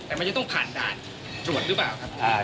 แต่มันจะต้องผ่านด่านตรวจหรือเปล่าครับ